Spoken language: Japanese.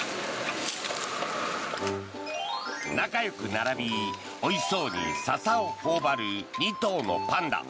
仲よく並び、おいしそうにササを頬張る２頭のパンダ。